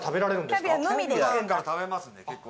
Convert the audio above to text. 普段から食べますね結構。